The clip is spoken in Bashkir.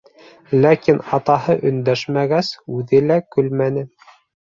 Ләкин атаһы өндәшмәгәс, үҙе лә көлмәне.